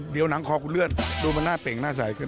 เดี๋ยวหนังคอคุณเลือดดูมันน่าเป่งหน้าใสขึ้น